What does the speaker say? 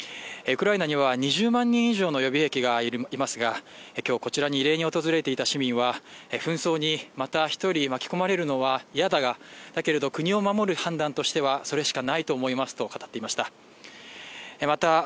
ウクライナには２０万人以上の予備役がいますが今日こちらに慰霊に訪れていた市民は紛争にまた一人巻き込まれるのは嫌だが、だけれど国を守る判断としてはそれしかないと思いますと語っていました。